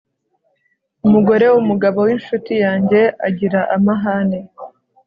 Umugore wumugabo winshuti yanjye agira amahane